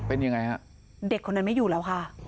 เป็นยังไงฮะเด็กคนนั้นไม่อยู่แล้วค่ะ